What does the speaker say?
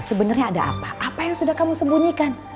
sebenarnya ada apa apa yang sudah kamu sembunyikan